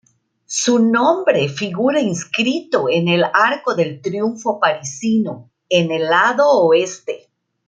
Su nombre figura inscrito en el Arco de Triunfo parisino, en el lado Oeste.